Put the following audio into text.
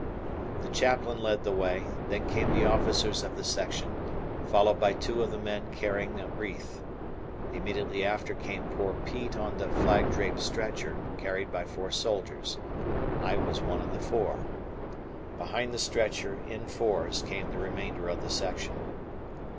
The Chaplain led the way, then came the officers of the section, followed by two of the men carrying a wreath. Immediately after came poor Pete on the flag draped stretcher, carried by four soldiers. I was one of the four. Behind the stretcher, in fours, came the remainder of the section.